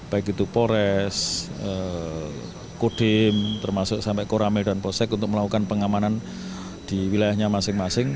baik itu pores kodem termasuk sampai koramel dan possek untuk melakukan pengamanan di wilayahnya masing masing